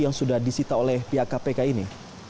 yang sudah disita oleh pihak kpk ini